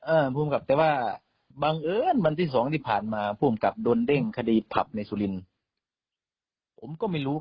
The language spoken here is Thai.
เออผู้มันกลับแต่ว่าบังเอิญวันที่สองที่ผ่านมาผู้มันกลับโดนเด้งคดีผับในสุรินทร์